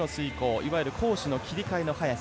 いわゆる攻守の切り替えの速さ